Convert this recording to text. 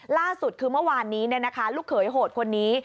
ล่าสุดคือเมื่อวานนี้ลูกเขยโหดคนนี้